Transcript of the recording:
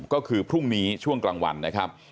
ก็คือพรุ่งนี้ช่วงกลางวันนะครับ